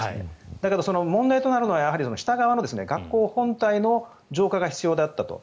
だけど、問題となるのは下側の学校本体の浄化が必要であったと。